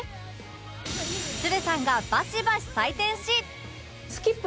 つるさんがバシバシ採点し